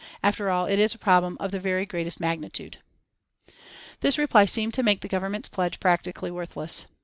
After all, it is a problem of the very greatest magnitude." This reply seemed to make the Government's pledge practically worthless.